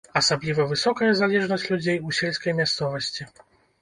Асабліва высокая залежнасць людзей у сельскай мясцовасці.